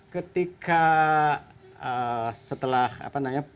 ketika setelah apa namanya